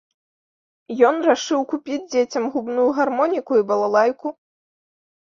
Ён рашыў купіць дзецям губную гармоніку і балалайку.